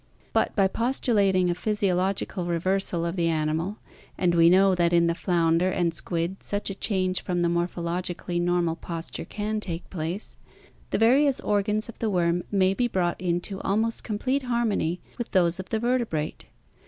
But by postulating a physiological reversal of the animal — and we know that in the flounder and squid such a change from the morphologically normal posture can take place — the various organs of the worm may be brought into almost complete harmony with those of the vertebrate.